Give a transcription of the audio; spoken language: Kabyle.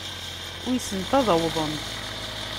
Uysent ad awḍent.